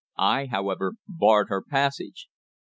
I, however, barred her passage.